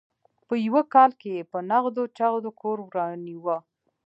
په یوه کال کې یې په نغدو چغدو کور رانیوه.